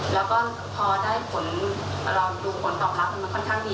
แล้วก็พอได้ผลดูผลตอบรับมันค่อนข้างดี